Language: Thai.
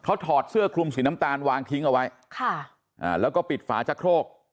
ถอดเสื้อคลุมสีน้ำตาลวางทิ้งเอาไว้ค่ะอ่าแล้วก็ปิดฝาชะโครก